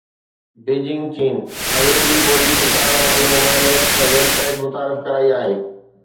Beijing چين انگريزي ٻولي سيکارڻ واري موبائل ايپ ۽ ويب سائيٽ متعارف ڪرائي آهي